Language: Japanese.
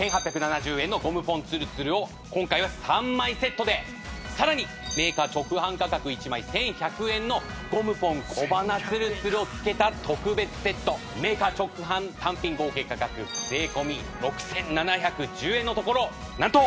つるつるを今回は３枚セットでさらにメーカー直販価格１枚１１００円のゴムポン小鼻つるつるをつけた特別セットメーカー直販単品合計価格税込６７１０円のところなんと。